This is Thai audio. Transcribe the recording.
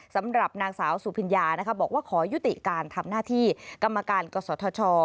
สำหรับนางสาวสุพิญญานะคะบอกว่าขอยุติการทำหน้าที่กรรมการกศธช